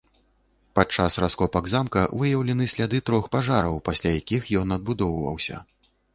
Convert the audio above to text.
Падчас раскопак замка выяўлены сляды трох пажараў, пасля якіх ён адбудоўваўся.